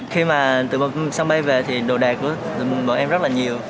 khi mà từ sân bay về thì đồ đẹp của bọn em rất là nhiều